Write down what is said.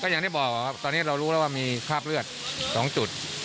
อย่างที่บอกครับตอนนี้เรารู้แล้วว่ามีคราบเลือด๒จุด